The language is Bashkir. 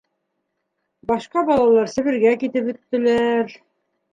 Башҡа балалар Себергә китеп бөттөләр...